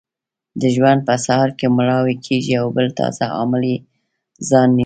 د ژوند په سهار کې مړاوې کیږي او بل تازه عامل یې ځای نیسي.